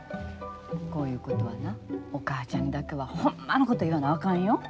こういうことはなお母ちゃんにだけはほんまのこと言わなあかんよ。